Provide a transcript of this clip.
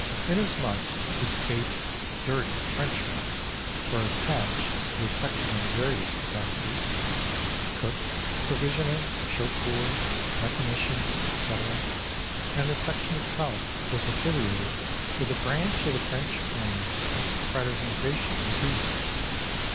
Inasmuch as eight "dirty Frenchmen" were attached to the section in various capacities (cook, provisioner, chauffeur, mechanician, etc.) and the section itself was affiliated with a branch of the French army, fraternization was easy.